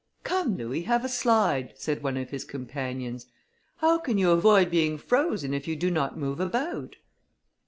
"Come, Louis, have a slide," said one of his companions, "how can you avoid being frozen if you do not move about?"